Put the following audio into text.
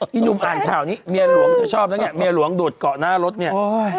พี่หนุ่มอ่านข่าวนี้เมียหลวงเธอชอบแล้วเนี่ยเมียหลวงโดดเกาะหน้ารถเนี่ย